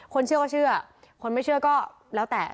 เชื่อก็เชื่อคนไม่เชื่อก็แล้วแต่